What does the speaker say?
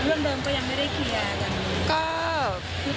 เรื่องเดิมก็ยังไม่ได้เคลียร์กัน